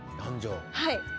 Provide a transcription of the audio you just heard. はい。